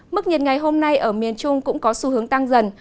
mức nhiệt ngày hôm nay ở miền trung cũng có xu hướng tăng dần